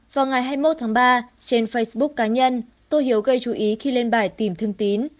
vào ngày hai mươi một tháng ba trên facebook cá nhân tô hiếu gây chú ý khi lên bài tìm thương tín